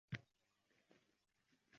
Hamma unga olayib qarashini xohlamasa kerak